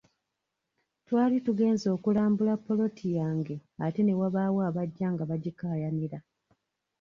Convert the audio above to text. Twali tugenze okulambula ppoloti yange ate ne wabaawo abajja nga bagikaayanira.